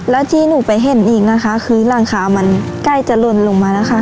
แล้วที่หนูไปเห็นอีกนะคะคือหลังคามันใกล้จะหล่นลงมาแล้วค่ะ